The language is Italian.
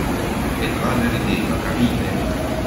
E il padre rideva, capite?